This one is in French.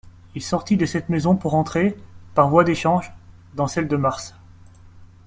Il sortit de cette maison pour entrer, par voie d'échange, dans celle de Mars.